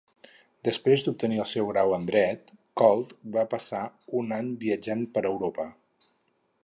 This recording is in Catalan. Després d'obtenir el seu grau en dret, Colt va passar un any viatjant per Europa.